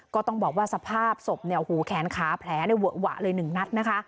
ก็ต้องบอกว่าสภาพศพเนี่ยหูแขนขาแผลเวอะหวะเลย๑นัดนะคะ